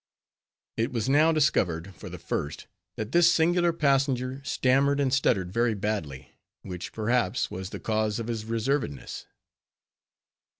It was now discovered for the first, that this singular passenger stammered and stuttered very badly, which, perhaps, was the cause of his reservedness.